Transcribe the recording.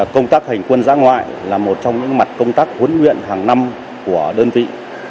công tác hành quân giã ngoại là một trong những mặt công tác huấn luyện hàng năm của đơn vị